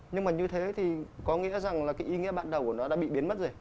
nhưng mà như thế thì có nghĩa rằng là cái ý nghĩa ban đầu của nó đã bị biến mất rồi